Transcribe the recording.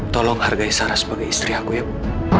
tolong hargai sarah sebagai istri aku ya bu